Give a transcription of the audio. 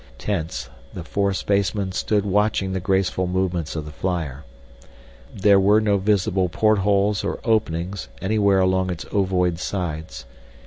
Tense, the four spacemen stood watching the graceful movements of the flyer. There were no visible portholes or openings anywhere along its ovoid sides.